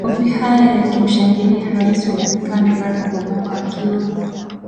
makofi haya yakimshangilia rais wa marekani barack obama akiwa